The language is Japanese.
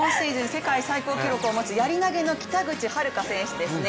世界最高記録を持つやり投げの北口榛花選手ですね。